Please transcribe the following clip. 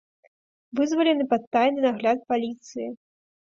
Вызвалены пад тайны нагляд паліцыі.